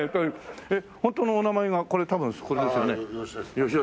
えっホントのお名前がこれ多分これですよね？